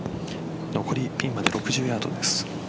残りピンまで６０ヤードです。